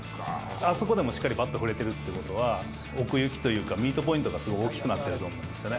あそこでもしっかりバット振れてるってことは、奥行きというか、ミートポイントがすごい大きくなってると思うんですよね。